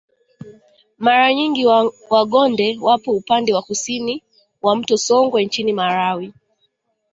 Mara nyingi Wagonde wapo upande wa kusini wa mto Songwe nchini Malawi